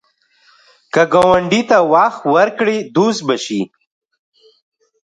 که ګاونډي ته وخت ورکړې، دوست به شي